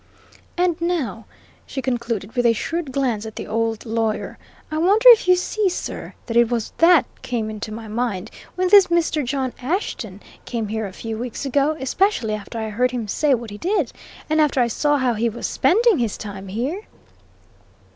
And now," she concluded, with a shrewd glance at the old lawyer, "I wonder if you see, sir, what it was that came into my mind when this Mr. John Ashton came here a few weeks ago, especially after I heard him say what he did, and after I saw how he was spending his time here?"